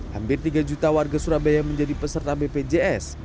hampir tiga juta warga surabaya menjadi peserta bpjs